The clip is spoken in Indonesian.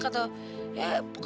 atau ya pokoknya